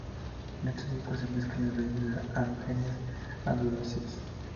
En este disco se mezclan las raíces aragonesas y andalusíes.